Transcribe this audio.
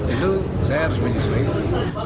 itu saya harus menyesuaikan